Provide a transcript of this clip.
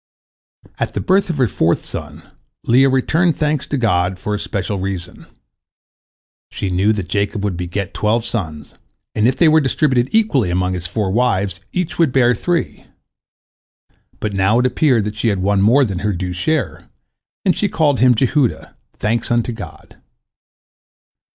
At the birth of her fourth son, Leah returned thanks to God for a special reason. She knew that Jacob would beget twelve sons, and if they were distributed equally among his four wives, each would bear three. But now it appeared that she had one more than her due share, and she called him Jehudah, "thanks unto God."